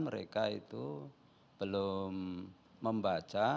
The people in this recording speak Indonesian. mereka itu belum membaca